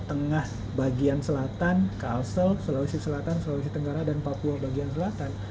tengah bagian selatan kalsel sulawesi selatan sulawesi tenggara dan papua bagian selatan